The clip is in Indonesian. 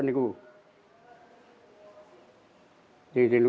koreka disandarkan pada pohon